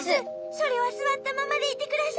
それはすわったままでいてください。